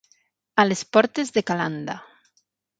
A les portes de Calanda.